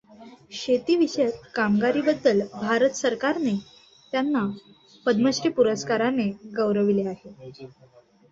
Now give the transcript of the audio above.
शेतीविषयक कामगिरीबद्दल भारत सरकारने त्यांना पद्मश्री पुरस्काराने गौरवले आहे.